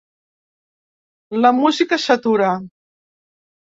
La música s'atura.